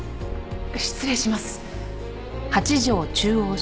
失礼します。